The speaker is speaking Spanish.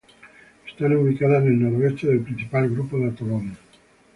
Están ubicadas en el noroeste del principal grupo de atolones.